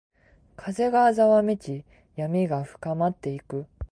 風がざわめき、闇が深まっていく。